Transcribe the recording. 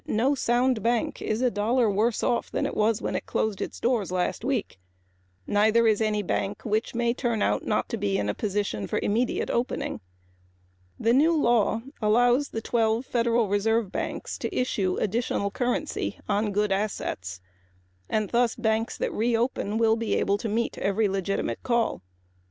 No sound bank is a dollar worse off than it was when it closed its doors last Monday. Neither is any bank which may turn out not to be in a position for immediate opening. The new law allows the twelve Federal Reserve Banks to issue additional currency on good assets and thus the banks which reopen will be able to meet every legitimate call.